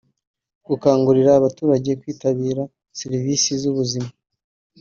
gukangurira abaturage kwitabira serivisi z’ubuzima